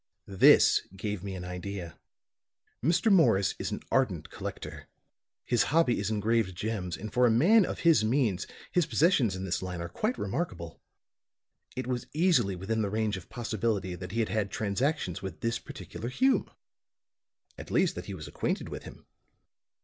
"This gave me an idea. Mr. Morris is an ardent collector; his hobby is engraved gems, and for a man of his means his possessions in this line are quite remarkable. It was easily within the range of possibility that he had had transactions with this particular Hume at least that he was acquainted with him.